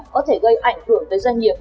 có thể gây ảnh hưởng tới doanh nghiệp